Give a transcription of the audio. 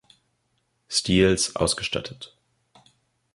Stils ausgestattet.